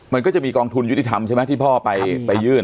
มันก็จะมีกองทุนยุติธรรมใช่ไหมที่พ่อไปยื่น